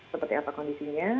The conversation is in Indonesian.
seperti apa kondisinya